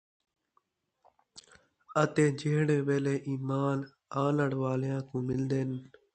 اَتے جِہڑے ویلے ایمان آنݨ والیاں کوں مِلدِن،